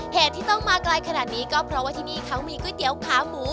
เหตุที่ต้องมาไกลขนาดนี้ก็เพราะว่าที่นี่เขามีก๋วยเตี๋ยวขาหมู